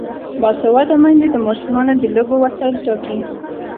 باسواده میندې د ماشومانو د لوبو وسایل ټاکي.